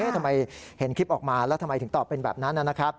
ทำไมเห็นคลิปออกมาแล้วทำไมถึงตอบเป็นแบบนั้นนะครับ